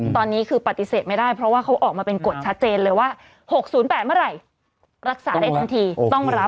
ตอนนี้คือปฏิเสธไม่ได้เพราะว่าเขาออกมาเป็นกฎชัดเจนเลยว่า๖๐๘เมื่อไหร่รักษาได้ทันทีต้องรับ